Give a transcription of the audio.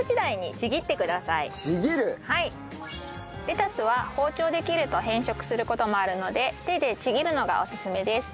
レタスは包丁で切ると変色する事もあるので手でちぎるのがおすすめです。